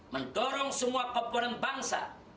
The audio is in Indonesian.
mendorong semua pemerintah bangsa